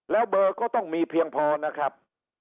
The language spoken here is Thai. แล้วเบอร์ก็ต้องมีเพียงพอนะครับ